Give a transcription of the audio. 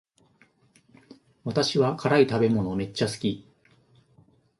私は辛い食べ物めっちゃ好き